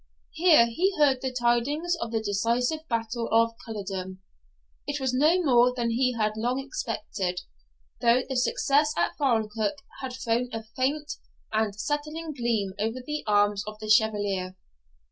Here he heard the tidings of the decisive battle of Culloden. It was no more than he had long expected, though the success at Falkirk had thrown a faint and setting gleam over the arms of the Chevalier.